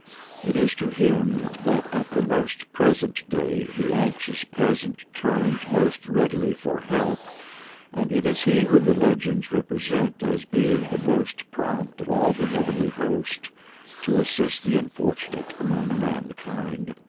It is to him that at the present day the anxious peasant turns most readily for help, and it is he whom the legends represent as being the most prompt of all the heavenly host to assist the unfortunate among mankind.